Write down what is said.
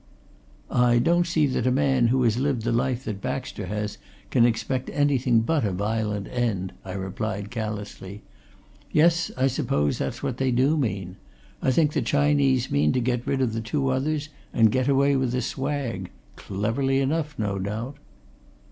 "I don't see that a man who has lived the life that Baxter has can expect anything but a violent end," I replied callously. "Yes, I suppose that's what I do mean. I think the Chinese mean to get rid of the two others and get away with the swag cleverly enough, no doubt."